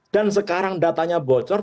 dan sekarang datanya bocor